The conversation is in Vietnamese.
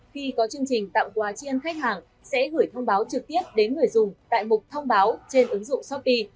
khi có chương trình tặng quà chiên khách hàng sẽ gửi thông báo trực tiếp đến người dùng tại mục thông báo trên ứng dụng shopee